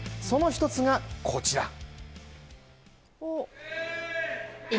その一つが、こちら。